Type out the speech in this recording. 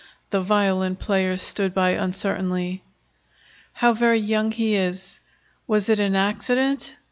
The violin player stood by uncertainly. "How very young he is! Was it an accident?"